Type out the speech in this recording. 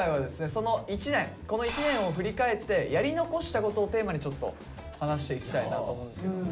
その１年この１年を振り返ってやり残したことをテーマにちょっと話していきたいなと思うんですけども。